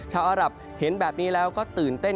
ชาวอารับมาเห็นด้วยแล้วก็โดยตื่นเต้น